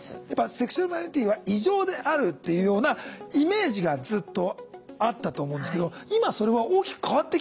セクシュアルマイノリティは異常であるっていうようなイメージがずっとあったと思うんですけど今それは大きく変わってきてるんじゃないかなと。